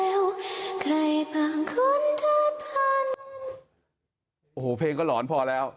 โอ้โหเพลงก็หลอนพอแล้ว